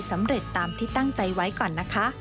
สำเร็จตามที่ตั้งใจไว้ก่อนนะคะ